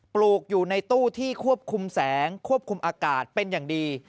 ปลูกอยู่ในตู้ที่ควบคุมแสงควบคุมอากาศเป็นอย่างดี